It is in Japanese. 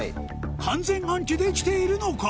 完全暗記できているのか？